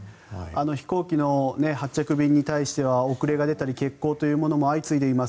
飛行機の発着便に対しては遅れが出たり欠航というものも相次いでいます。